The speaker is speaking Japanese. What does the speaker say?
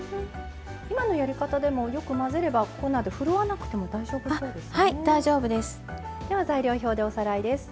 今のやり方でもよく混ぜれば粉でふるわなくても大丈夫でしょうですね。